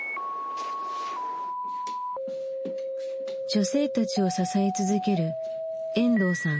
女性たちを支え続ける遠藤さん。